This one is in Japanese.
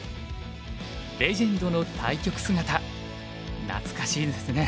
レジェンドの対局姿懐かしいですね。